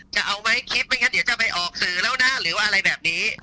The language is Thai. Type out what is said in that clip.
จะเอาไหมคลิปไม่งั้นเดี๋ยวจะไปออกสื่อแล้วนะหรือว่าอะไรแบบนี้